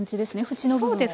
縁の部分を。